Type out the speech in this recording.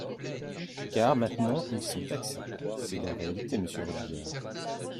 car maintenant ils sont taxés :, C’est la réalité, monsieur Robiliard